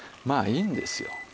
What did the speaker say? まあいいんですよ。